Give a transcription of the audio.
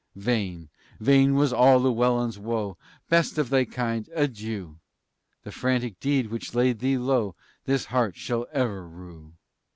Vain, vain was all Llewellyn's woe; "Best of thy kind, adieu! The frantic deed which laid thee low This heart shall ever rue!"